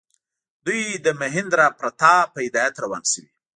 دوی د مهیندراپراتاپ په هدایت روان شوي.